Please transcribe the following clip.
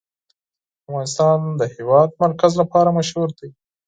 افغانستان د د هېواد مرکز لپاره مشهور دی.